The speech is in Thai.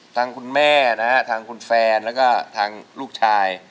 ทางคุณแม่นะฮะทางคุณแฟนแล้วก็ทางลูกชาย